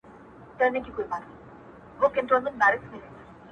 • خدایه ستا پر ښکلې مځکه له مقامه ګیله من یم ,